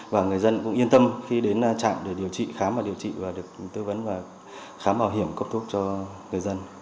và người dân cũng yên tâm khi đến trạm để điều trị khám và điều trị và được tư vấn và khám bảo hiểm cấp thuốc cho người dân